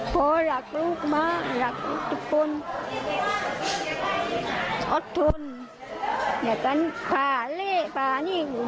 พ่อรักลูกมารักทุกคนอดทนอยากกันภาคเลขภาคนี้